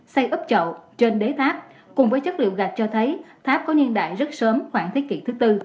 xây ướp chậu trên đế tháp cùng với chất liệu gạch cho thấy tháp có niên đại rất sớm khoảng thế kỷ thứ tư